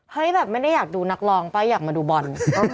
แบบไม่ได้อยากดูนักร้องป่ะอยากมาดูบอล